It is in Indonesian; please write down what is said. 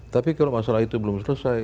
tapi kalau masalah itu belum selesai